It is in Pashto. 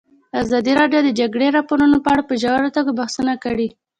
ازادي راډیو د د جګړې راپورونه په اړه په ژوره توګه بحثونه کړي.